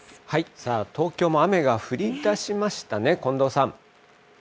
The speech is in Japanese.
さあ、東京も雨が降りだしましたね、近藤さん。